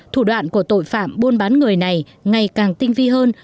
thủ đoạn của tội phạm buôn bán người này ngày càng tinh vi hơn